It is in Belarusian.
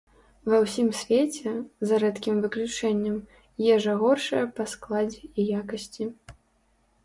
Ва ўсім свеце, за рэдкім выключэннем, ежа горшая па складзе і якасці.